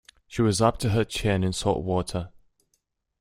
She was up to her chin in salt water.